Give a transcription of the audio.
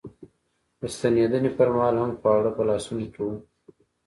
د ستنېدنې پر مهال هم خواړه په لاسونو کې و.